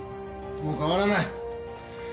もう変わらない。